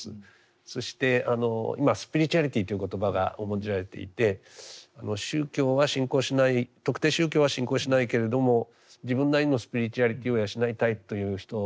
そして今スピリチュアリティという言葉が重んじられていて宗教は信仰しない特定宗教は信仰しないけれども自分なりのスピリチュアリティを養いたいという人も多数いるんですがね。